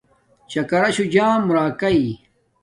چاکراشوہ جامیے راکاݵ